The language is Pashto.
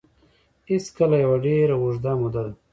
هېڅکله یوه ډېره اوږده موده ده